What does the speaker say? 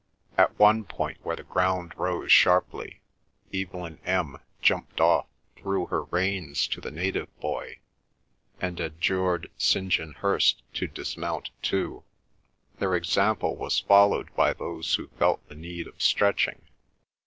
At one point where the ground rose sharply, Evelyn M. jumped off, threw her reins to the native boy, and adjured St. John Hirst to dismount too. Their example was followed by those who felt the need of stretching.